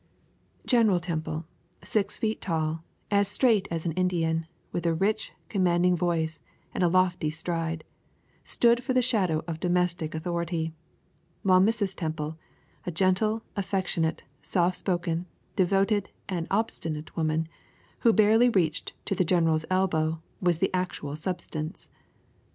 General Temple, six feet tall, as straight as an Indian, with a rich, commanding voice and a lofty stride, stood for the shadow of domestic authority; while Mrs. Temple, a gentle, affectionate, soft spoken, devoted, and obstinate woman, who barely reached to the general's elbow, was the actual substance.